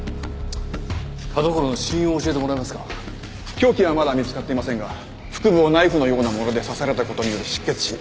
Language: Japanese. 凶器はまだ見つかっていませんが腹部をナイフのようなもので刺された事による失血死。